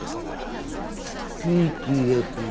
「ＰＴＦＥ」。